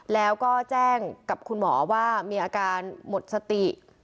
แล้วก็แจ้งกับคุณหมอว่ามีอาการหมดสติ